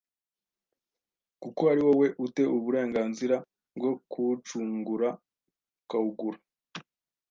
kuko ari wowe u te uburenganzira bwo kuwucungura ukawugura